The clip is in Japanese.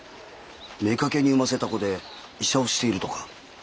妾に生ませた子で医者をしているとか。